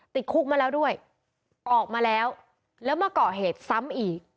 ติดคุกมาแล้วด้วยออกมาแล้วแล้วมาเกาะเหตุซ้ำอีก